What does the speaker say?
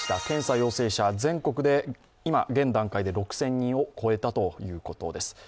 検査陽性者、全国で今現段階で６０００人を超えたということです。